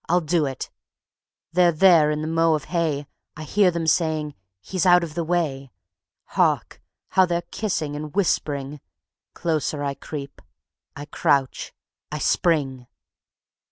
I'll do it ... they're there in the mow of hay, I hear them saying: "He's out of the way!" Hark! how they're kissing and whispering. ... Closer I creep ... I crouch ... I spring.